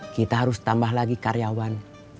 kita harus tambah lagi karyawan